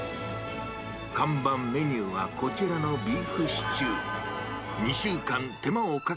看板メニューは、こちらのビーフシチュー。